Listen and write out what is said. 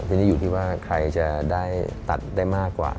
ทีนี้อยู่ที่ว่าใครจะได้ตัดได้มากกว่า